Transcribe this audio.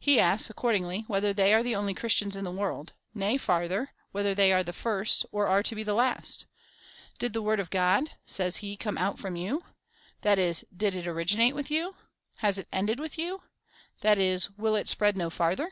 He asks, accord ingly, whether they are the only Christians in the world ; nay, farther, whether they are the first, or are to be the last ?" Did the word of God," says he, " come out from, you ?" that is, " Did it originate with you V " Has it ended with you V that is, " Will it spread no farther